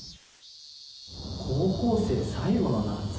「高校生最後の夏」。